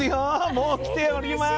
もう来ております。